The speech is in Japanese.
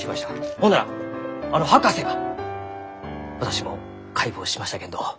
ほんならあの博士が「私も解剖しましたけんどあ